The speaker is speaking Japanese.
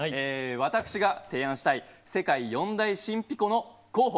私が提案したい世界四大神秘湖の候補